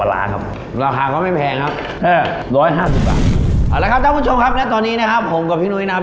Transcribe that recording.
และร้านเด็ดในวันนี้นะครับ